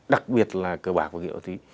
đặc biệt là cờ bạc và nghiện ma túy